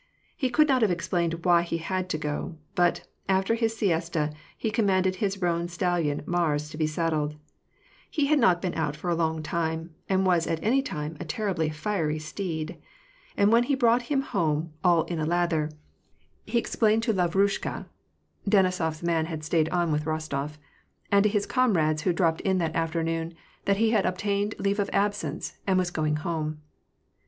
He could not have explained why he had to go ; but, after his siesta, he commanded his roan stal lion Mars to be saddled — he had not been out for a long time, and was at any time a terribly fiery steed ; and when he brought him liome all in a lather, he explained to Lav WAR AND PEACE. 246 rnshka, — Denisors man had staid on with Rostof, — and to his comrades who dropped in that afternoon, that he had obtained leave of absence, and was going home.